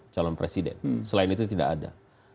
calon presiden selain itu tidak ada